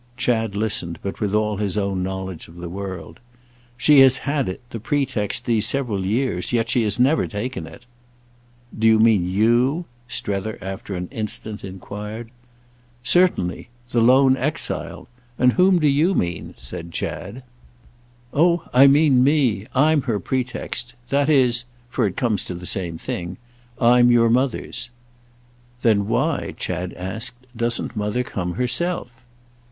Chad listened, but with all his own knowledge of the world. "She has had it, the pretext, these several years, yet she has never taken it." "Do you mean you?" Strether after an instant enquired. "Certainly—the lone exile. And whom do you mean?" said Chad. "Oh I mean me. I'm her pretext. That is—for it comes to the same thing—I'm your mother's." "Then why," Chad asked, "doesn't Mother come herself?"